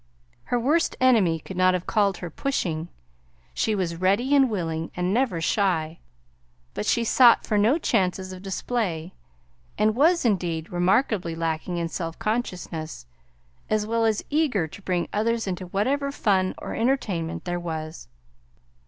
Her worst enemy could not have called her pushing. She was ready and willing and never shy; but she sought for no chances of display and was, indeed, remarkably lacking in self consciousness, as well as eager to bring others into whatever fun or entertainment there was.